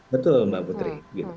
betul mbak putri